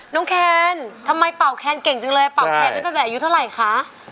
แคนทำไมเป่าแคนเก่งจังเลยเป่าแคนตั้งแต่อายุเท่าไหร่คะ